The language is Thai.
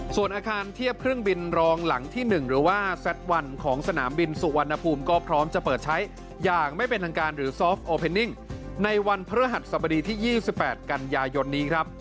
ส่วนอาคารเทียบเครื่องบินรองหลังที่๑หรือว่าแซดวันของสนามบินสุวรรณภูมิก็พร้อมจะเปิดใช้อย่างไม่เป็นทางการหรือซอฟโอเพนิ่งในวันพฤหัสสบดีที่๒๘กันยายนนี้ครับ